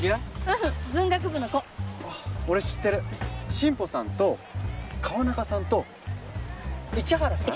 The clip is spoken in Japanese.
俺知ってる新保さんと川中さんと市原さん？